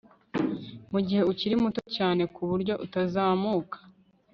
mugihe ukiri muto cyane kuburyo utazamuka